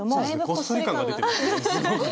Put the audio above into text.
こっそり感が出てる。